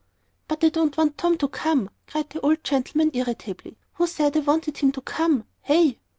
"But I don't want Tom to come," cried the old gentleman, irritably. "Who said I wanted him to come? Hey?"